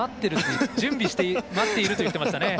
準備して待っていると言っていましたね。